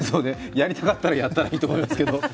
やりたかったら、やればいいと思いますけれども。